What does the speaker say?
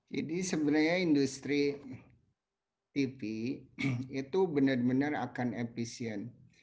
jadi sebenarnya industri tv itu benar benar akan efisien